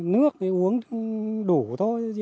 nước thì uống đủ thôi